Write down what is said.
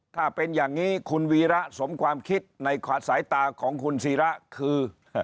ถ้าเป็นอย่างนี้คุณวีระสมความคิดในสายตาของคุณศิระคือ